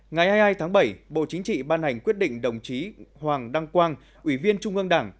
ngày hai mươi hai tháng bảy bộ chính trị ban hành quyết định đồng chí hoàng đăng quang ủy viên trung ương đảng